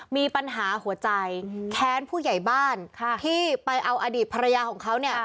มีปัญหาหัวใจแค้นผู้ใหญ่บ้านที่ไปเอาอดีตภรรยาของเขาเนี่ย